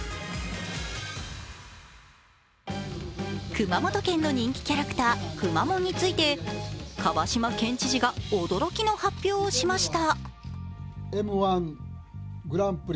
熊本県の人気キャラクターくまモンについて蒲島県知事が驚きの発表をしました。